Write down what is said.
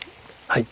はい。